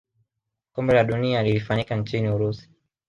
kombe la dunia lilifanyika nchini urusi